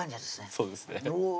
そうですねうわ